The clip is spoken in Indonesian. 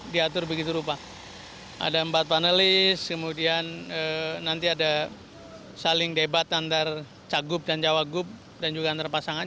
diatur begitu rupa ada empat panelis kemudian nanti ada saling debat antara cak gub dan jawa gub dan juga antara pasangan